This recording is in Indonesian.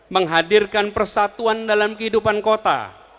menghadirkan persatuan dalam kehidupan kota